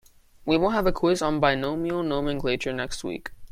We will have a quiz on binomial nomenclature next week.